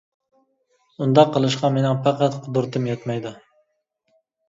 ئۇنداق قىلىشقا مىنىڭ پەقەت قۇدرىتىم يەتمەيدۇ.